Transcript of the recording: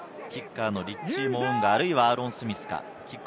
キッカーのリッチー・モウンガ、あるいはアーロン・スミスか。